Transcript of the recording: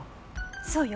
そうよ。